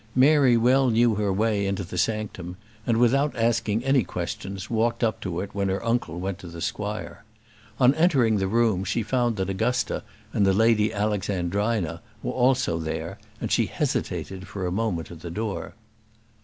Mary well knew her way to the sanctum, and, without asking any questions, walked up to it when her uncle went to the squire. On entering the room she found that Augusta and the Lady Alexandrina were also there, and she hesitated for a moment at the door.